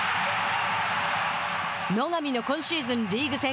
野上の今シーズンリーグ戦